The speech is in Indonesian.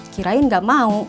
kirain gak mau